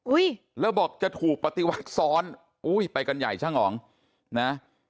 แล้วบอกจะถูกปฏิวัติซ้อนอุ้ยไปกันใหญ่ช่างอ๋องนะ